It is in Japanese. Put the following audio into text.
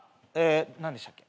何でしたっけ。